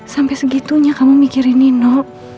sampai segitunya kamu mikirin nino